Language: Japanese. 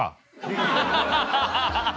ハハハハ！